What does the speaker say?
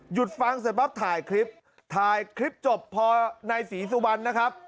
ฟังเสร็จปั๊บถ่ายคลิปถ่ายคลิปจบพอนายศรีสุวรรณนะครับ